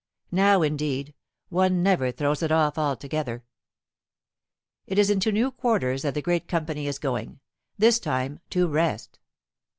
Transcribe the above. Now, indeed, one never throws it off altogether. It is into new quarters that the great company is going this time to rest.